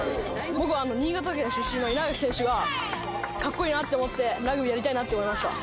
僕は新潟県出身の稲垣選手がかっこいいなと思って、ラグビーやりたいなって思いました。